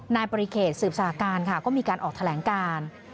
นายปริเขตสืบสหการค่ะก็มีการออกแถลงการ